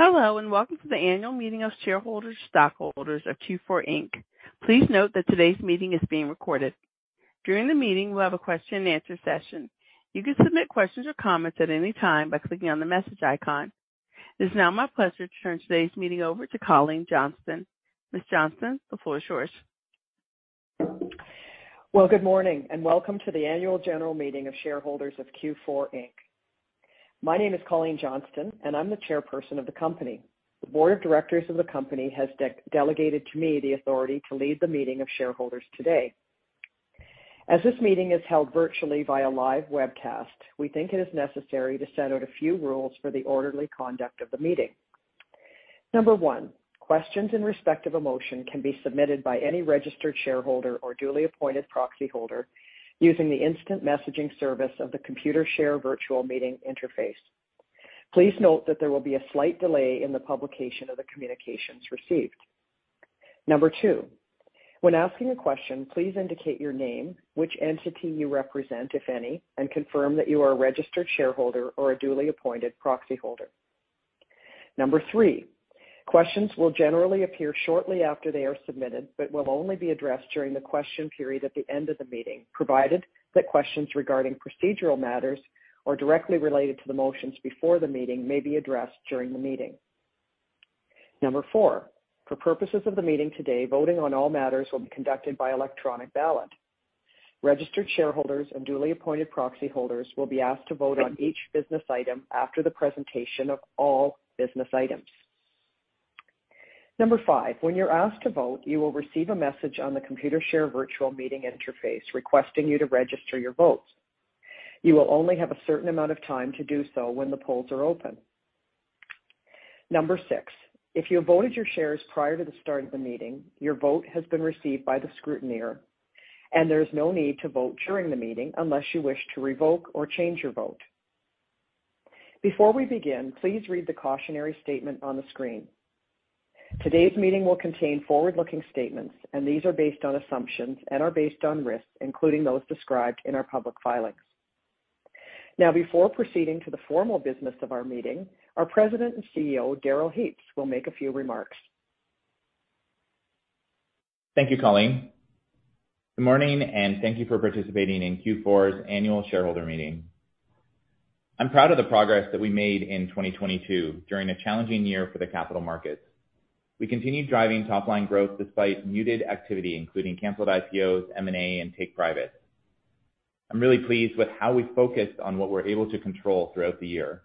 Hello, welcome to the annual meeting of shareholders stockholders of Q4 Inc. Please note that today's meeting is being recorded. During the meeting, we'll have a question and answer session. You can submit questions or comments at any time by clicking on the message icon. It is now my pleasure to turn today's meeting over to Colleen Johnston. Ms. Johnston, the floor is yours. Well, good morning, and welcome to the annual general meeting of shareholders of Q4 Inc. My name is Colleen Johnston, and I'm the Chairperson of the company. The Board of Directors of the company has delegated to me the authority to lead the meeting of shareholders today. As this meeting is held virtually via live webcast, we think it is necessary to set out a few rules for the orderly conduct of the meeting. Number one, questions in respect of a motion can be submitted by any registered shareholder or duly appointed proxyholder using the instant messaging service of the Computershare virtual meeting interface. Please note that there will be a slight delay in the publication of the communications received. Number two, when asking a question, please indicate your name, which entity you represent, if any, and confirm that you are a registered shareholder or a duly appointed proxyholder. Number three, questions will generally appear shortly after they are submitted but will only be addressed during the question period at the end of the meeting, provided that questions regarding procedural matters or directly related to the motions before the meeting may be addressed during the meeting. Number four, for purposes of the meeting today, voting on all matters will be conducted by electronic ballot. Registered shareholders and duly appointed proxy holders will be asked to vote on each business item after the presentation of all business items. Number five, when you're asked to vote, you will receive a message on the Computershare virtual meeting interface requesting you to register your vote. You will only have a certain amount of time to do so when the polls are open. Number six, if you voted your shares prior to the start of the meeting, your vote has been received by the scrutineer, there's no need to vote during the meeting unless you wish to revoke or change your vote. Before we begin, please read the cautionary statement on the screen. Today's meeting will contain forward-looking statements, these are based on assumptions and are based on risks, including those described in our public filings. Now, before proceeding to the formal business of our meeting, our President and CEO, Darrell Heaps, will make a few remarks. Thank you, Colleen. Good morning, and thank you for participating in Q4's annual shareholder meeting. I'm proud of the progress that we made in 2022 during a challenging year for the capital markets. We continued driving top-line growth despite muted activity, including canceled IPOs, M&A, and take private. I'm really pleased with how we focused on what we're able to control throughout the year.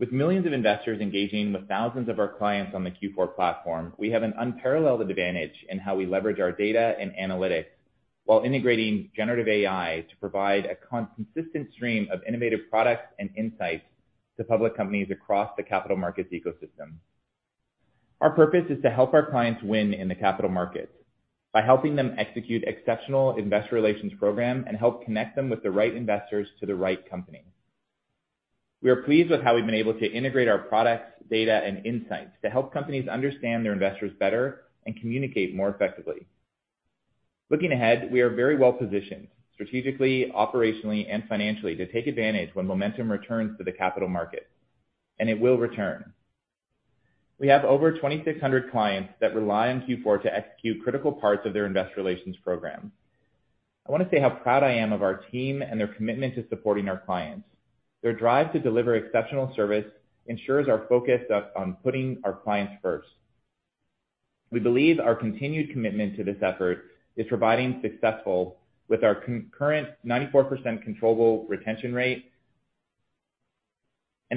With millions of investors engaging with thousands of our clients on the Q4 platform, we have an unparalleled advantage in how we leverage our data and analytics while integrating generative AI to provide a consistent stream of innovative products and insights to public companies across the capital markets ecosystem. Our purpose is to help our clients win in the capital markets by helping them execute exceptional investor relations program and help connect them with the right investors to the right company. We are pleased with how we've been able to integrate our products, data, and insights to help companies understand their investors better and communicate more effectively. Looking ahead, we are very well positioned strategically, operationally, and financially to take advantage when momentum returns to the capital market, and it will return. We have over 2,600 clients that rely on Q4 to execute critical parts of their investor relations program. I wanna say how proud I am of our team and their commitment to supporting our clients. Their drive to deliver exceptional service ensures our focus on putting our clients first. We believe our continued commitment to this effort is providing successful with our con-current 94% controllable retention rate.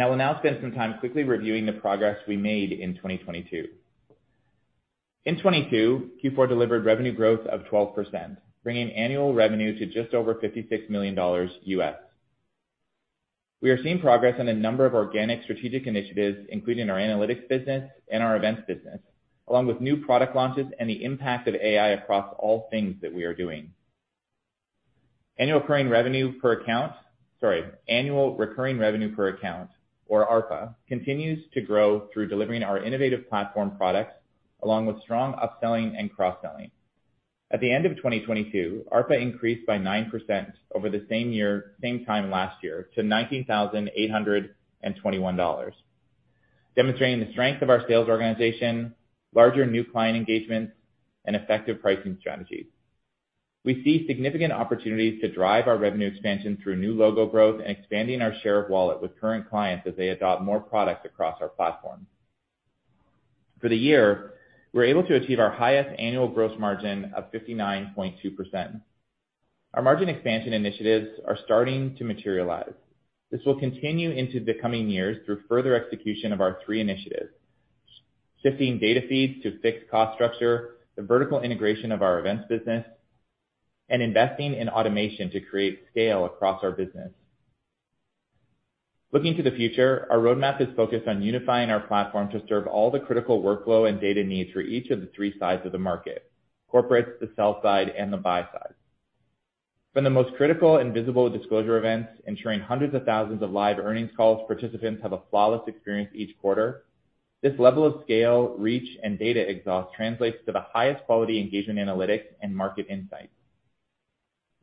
I will now spend some time quickly reviewing the progress we made in 2022. In 2022, Q4 delivered revenue growth of 12%, bringing annual revenue to just over $56 million. We are seeing progress on a number of organic strategic initiatives, including our analytics business and our events business, along with new product launches and the impact of AI across all things that we are doing. Sorry, annual recurring revenue per account, or ARPA, continues to grow through delivering our innovative platform products, along with strong upselling and cross-selling. At the end of 2022, ARPA increased by 9% over the same year, same time last year to $19,821, demonstrating the strength of our sales organization, larger new client engagements, and effective pricing strategies. We see significant opportunities to drive our revenue expansion through new logo growth and expanding our share of wallet with current clients as they adopt more products across our platform. For the year, we were able to achieve our highest annual gross margin of 59.2%. Our margin expansion initiatives are starting to materialize. This will continue into the coming years through further execution of our three initiatives: shifting data feeds to fixed cost structure, the vertical integration of our events business, and investing in automation to create scale across our business. Looking to the future, our roadmap is focused on unifying our platform to serve all the critical workflow and data needs for each of the three sides of the market: corporates, the sell side, and the buy side. From the most critical and visible disclosure events, ensuring hundreds of thousands of live earnings calls participants have a flawless experience each quarter, this level of scale, reach, and data exhaust translates to the highest quality engagement analytics and market insights.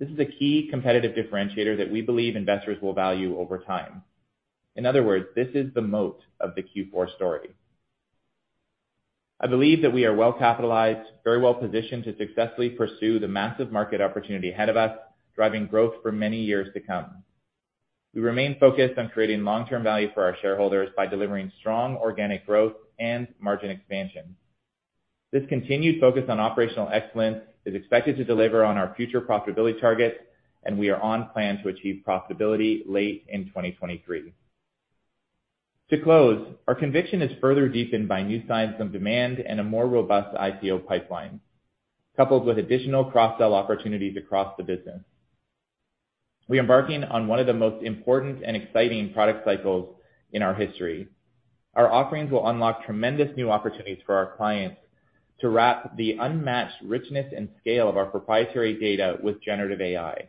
This is a key competitive differentiator that we believe investors will value over time. In other words, this is the moat of the Q4 story. I believe that we are well capitalized, very well positioned to successfully pursue the massive market opportunity ahead of us, driving growth for many years to come. We remain focused on creating long-term value for our shareholders by delivering strong organic growth and margin expansion. This continued focus on operational excellence is expected to deliver on our future profitability targets, and we are on plan to achieve profitability late in 2023. To close, our conviction is further deepened by new signs of demand and a more robust IPO pipeline, coupled with additional cross-sell opportunities across the business. We are embarking on one of the most important and exciting product cycles in our history. Our offerings will unlock tremendous new opportunities for our clients to wrap the unmatched richness and scale of our proprietary data with generative AI.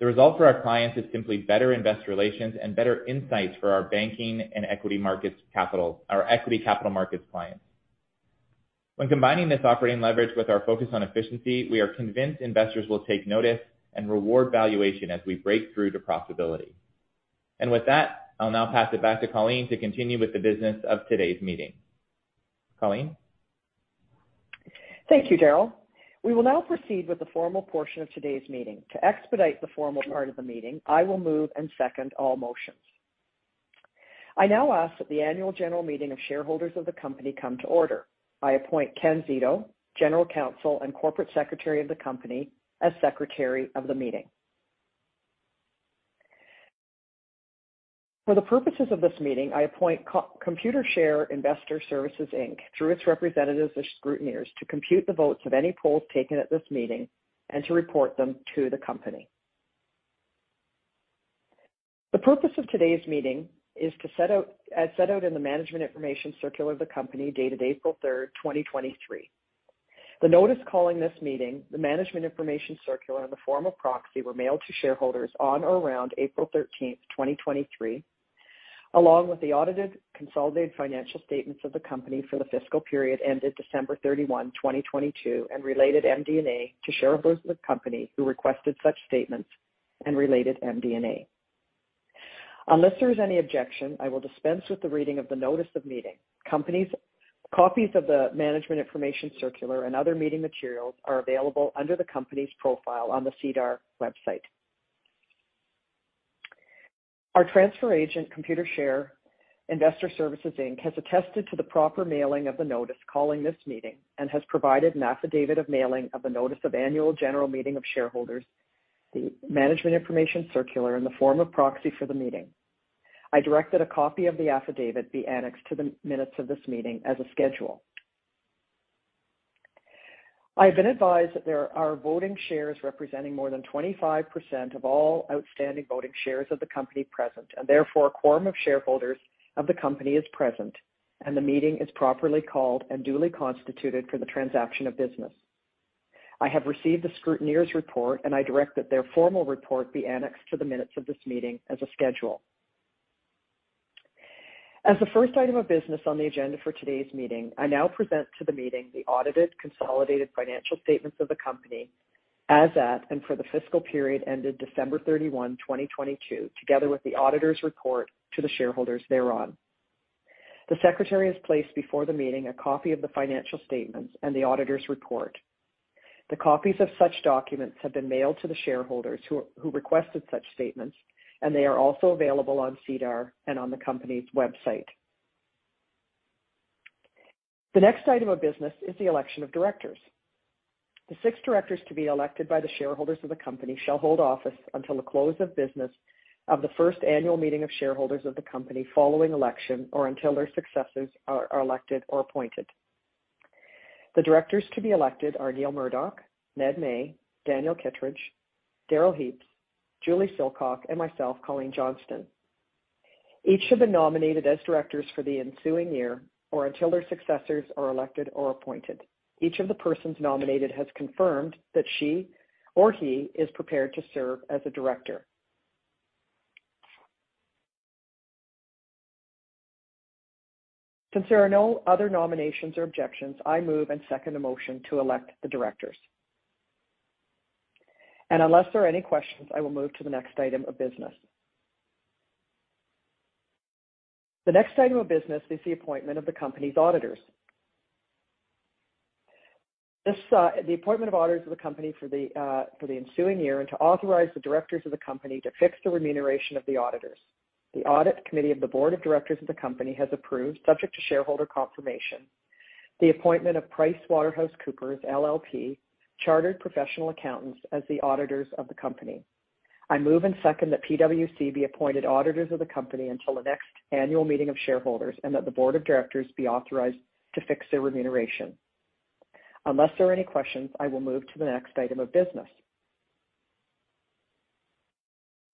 The result for our clients is simply better investor relations and better insights for our equity capital markets clients. When combining this operating leverage with our focus on efficiency, we are convinced investors will take notice and reward valuation as we break through to profitability. With that, I'll now pass it back to Colleen to continue with the business of today's meeting. Colleen. Thank you, Darrell. We will now proceed with the formal portion of today's meeting. To expedite the formal part of the meeting, I will move and second all motions. I now ask that the annual general meeting of shareholders of the company come to order. I appoint Ken Zito, General Counsel and Corporate Secretary of the company, as Secretary of the meeting. For the purposes of this meeting, I appoint Computershare Investor Services Inc. Through its representatives as scrutineers, to compute the votes of any polls taken at this meeting and to report them to the company. The purpose of today's meeting is to set out, as set out in the management information circular of the company dated April 3, 2023. The notice calling this meeting, the management information circular, and the form of proxy were mailed to shareholders on or around April 13th, 2023, along with the audited consolidated financial statements of the company for the fiscal period ended December 31, 2022, and related MD&A to shareholders of the company who requested such statements and related MD&A. Unless there is any objection, I will dispense with the reading of the notice of meeting. Copies of the management information circular and other meeting materials are available under the company's profile on the SEDAR website. Our transfer agent, Computershare Investor Services Inc., has attested to the proper mailing of the notice calling this meeting and has provided an affidavit of mailing of the notice of annual general meeting of shareholders, the management information circular in the form of proxy for the meeting. I directed a copy of the affidavit be annexed to the minutes of this meeting as a schedule. I have been advised that there are voting shares representing more than 25% of all outstanding voting shares of the company present, and therefore a quorum of shareholders of the company is present and the meeting is properly called and duly constituted for the transaction of business. I have received the scrutineers report and I direct that their formal report be annexed to the minutes of this meeting as a schedule. As the first item of business on the agenda for today's meeting, I now present to the meeting the audited consolidated financial statements of the company as at and for the fiscal period ended December 31, 2022, together with the auditors report to the shareholders thereon. The secretary has placed before the meeting a copy of the financial statements and the auditor's report. They copies of such documents have been mailed to the shareholders who requested such statements, and they are also available on SEDAR and on the company's website. The next item of business is the election of directors. The six directors to be elected by the shareholders of the company shall hold office until the close of business of the first annual meeting of shareholders of the company following election or until their successors are elected or appointed. The directors to be elected are Neil Murdoch, Ned May, Daniel Kittredge, Darrell Heaps, Julie Silcock and myself, Colleen Johnston. Each have been nominated as directors for the ensuing year or until their successors are elected or appointed. Each of the persons nominated has confirmed that she or he is prepared to serve as a director. Since there are no other nominations or objections, I move and second the motion to elect the directors. Unless there are any questions, I will move to the next item of business. The next item of business is the appointment of the company's auditors. The appointment of auditors of the company for the ensuing year, and to authorize the directors of the company to fix the remuneration of the auditors. The audit committee of the board of directors of the company has approved, subject to shareholder confirmation, the appointment of PricewaterhouseCoopers LLP Chartered Professional Accountants as the auditors of the company. I move and second that PwC be appointed auditors of the company until the next annual meeting of shareholders, and that the board of directors be authorized to fix their remuneration. Unless there are any questions, I will move to the next item of business.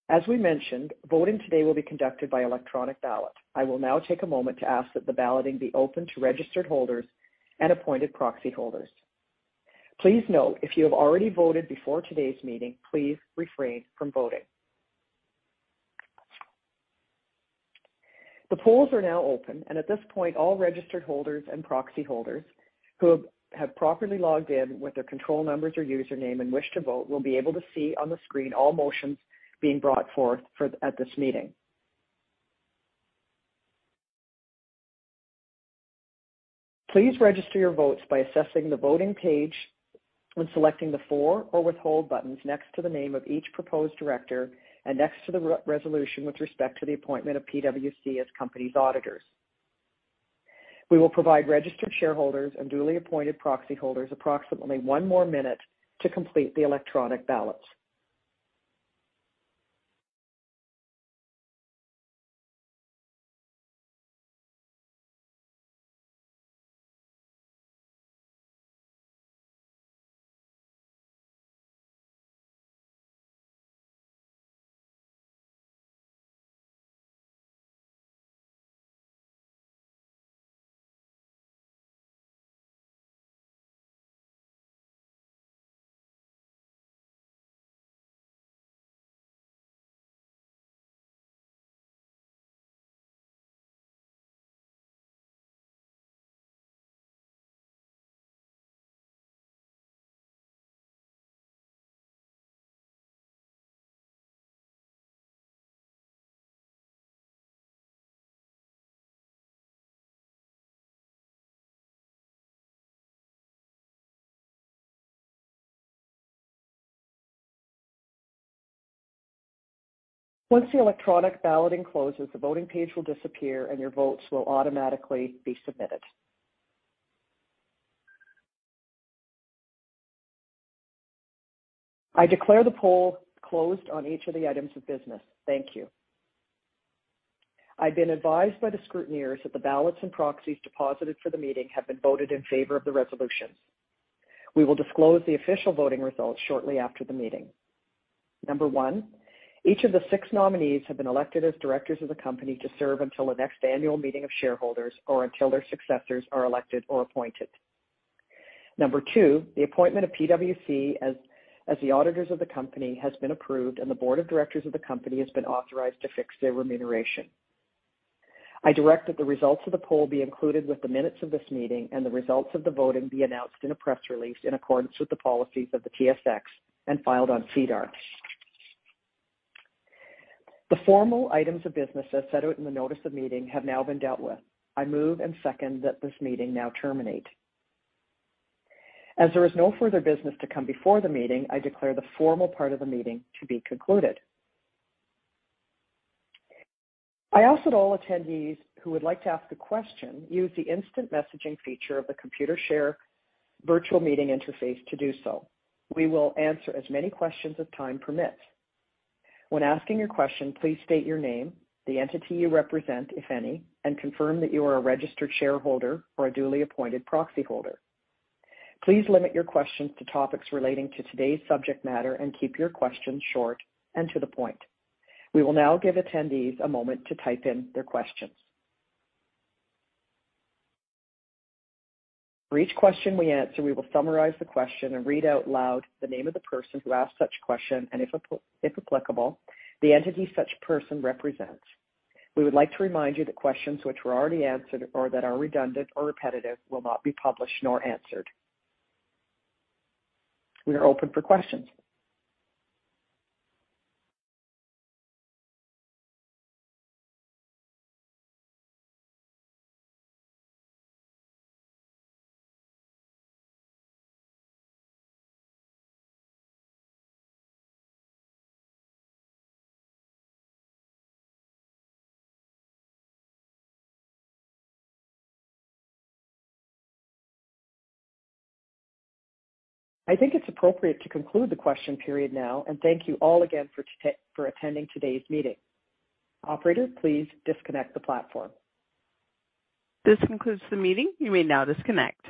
As we mentioned, voting today will be conducted by electronic ballot. I will now take a moment to ask that the balloting be open to registered holders and appointed proxy holders. Please note if you have already voted before today's meeting, please refrain from voting. The polls are now open. At this point, all registered holders and proxy holders who have properly logged in with their control numbers or username and wish to vote will be able to see on the screen all motions being brought forth at this meeting. Please register your votes by assessing the voting page when selecting the for or withhold buttons next to the name of each proposed director and next to the re-resolution with respect to the appointment of PwC as company's auditors. We will provide registered shareholders and duly appointed proxy holders approximately one more minute to complete the electronic ballot. Once the electronic balloting closes, the voting page will disappear, and your votes will automatically be submitted. I declare the poll closed on each of the items of business. Thank you. I've been advised by the scrutineers that the ballots and proxies deposited for the meeting have been voted in favor of the resolution. We will disclose the official voting results shortly after the meeting. Number one, each of the six nominees have been elected as directors of the company to serve until the next annual meeting of shareholders or until their successors are elected or appointed. Number two, the appointment of PwC as the auditors of the company has been approved, and the board of directors of the company has been authorized to fix their remuneration. I direct that the results of the poll be included with the minutes of this meeting and the results of the voting be announced in a press release in accordance with the policies of the TSX and filed on SEDAR. The formal items of business as set out in the notice of meeting have now been dealt with. I move and second that this meeting now terminate. As there is no further business to come before the meeting, I declare the formal part of the meeting to be concluded. I ask that all attendees who would like to ask a question use the instant messaging feature of the Computershare virtual meeting interface to do so. We will answer as many questions as time permits. When asking your question, please state your name, the entity you represent, if any, and confirm that you are a registered shareholder or a duly appointed proxy holder. Please limit your questions to topics relating to today's subject matter and keep your questions short and to the point. We will now give attendees a moment to type in their questions. For each question we answer, we will summarize the question and read out loud the name of the person who asked such question and if applicable, the entity such person represents. We would like to remind you that questions which were already answered or that are redundant or repetitive will not be published nor answered. We are open for questions. I think it's appropriate to conclude the question period now and thank you all again for attending today's meeting. Operator, please disconnect the platform. This concludes the meeting. You may now disconnect.